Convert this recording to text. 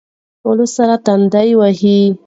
ټولو سر تندی واهه.